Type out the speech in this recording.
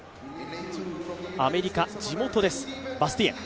アメリカ、地元ですバスティエン。